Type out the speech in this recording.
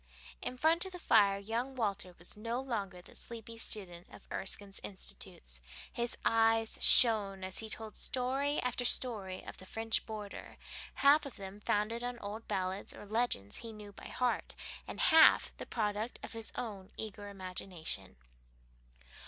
In front of the fire young Walter was no longer the sleepy student of Erskine's "Institutes"; his eyes shone as he told story after story of the Scotch border, half of them founded on old ballads or legends he knew by heart and half the product of his own eager imagination.